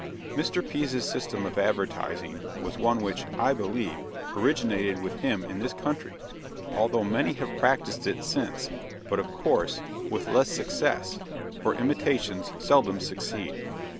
Mr. Pease's system of advertising was one which, I believe, originated with him in this country, although many have practiced it since, but of course, with less success for imitations seldom succeed.